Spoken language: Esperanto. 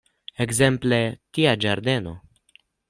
Ekzemple, tia ĝardeno!